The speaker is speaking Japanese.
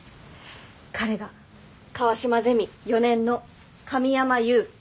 彼が川島ゼミ４年の神山祐。